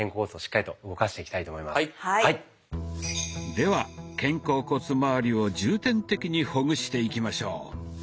では肩甲骨まわりを重点的にほぐしていきましょう。